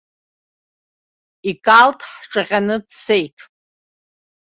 Икалҭ ҳҿаҟьаны дцеит.